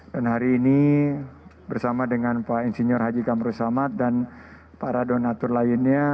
dan hari ini bersama dengan pak insinyur haji kamru samad dan para donatur lainnya